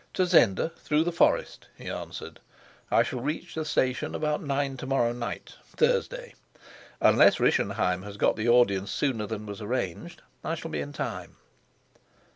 "To Zenda, through the forest," he answered. "I shall reach the station about nine to morrow night, Thursday. Unless Rischenheim has got the audience sooner than was arranged, I shall be in time."